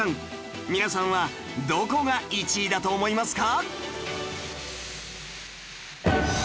皆さんはどこが１位だと思いますか？